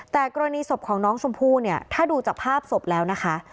แต่กรณีศพของน้องชมพู่เนี่ยถ้าดูจากภาพศพแล้วนะคะ